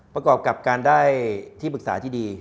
ประกอบกับการได้ที่ปรึกษาที่ดี